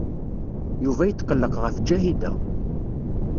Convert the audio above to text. Yuba yetqelleq ɣef Ǧahida.